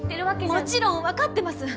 もちろん分かってます。